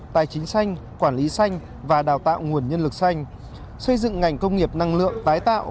tài chính xanh quản lý xanh và đào tạo nguồn nhân lực xanh xây dựng ngành công nghiệp năng lượng tái tạo